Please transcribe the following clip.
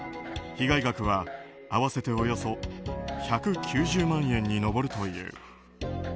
被害額は合わせておよそ１９０万円に上るという。